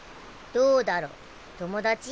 どうだろ友達？